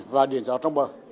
và điện gió trong bờ